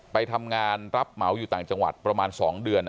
ไปทำงานรับเหมาอยู่ต่างจังหวัดประมาณ๒เดือน